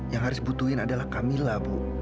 yang haris butuhin adalah kak mila bu